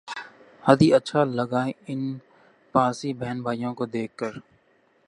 ہت ھی اچھا لگا ان پارسی بہن بھائیوں کو دیکھ کر